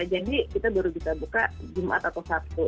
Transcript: jadi kita baru bisa buka jumat atau sabtu